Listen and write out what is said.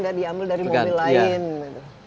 yang diambil dari mobil lain